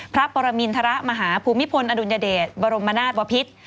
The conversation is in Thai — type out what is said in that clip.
พระปรมินทรมาหาภูมิพลอดุลยเดชบรมนาศวพิษ